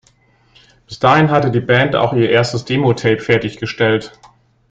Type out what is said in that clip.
Bis dahin hatte die Band auch ihr erstes Demo-Tape fertiggestellt.